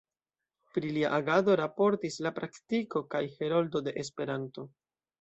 Pri lia agado raportis „La Praktiko“ kaj „Heroldo de Esperanto“.